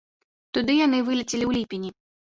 Туды яны вылецелі ў ліпені.